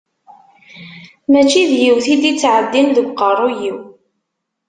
Mačči d yiwet i d-ittɛeddin deg uqerru-yiw.